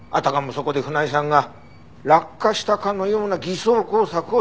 そこで船井さんが落下したかのような偽装工作をした。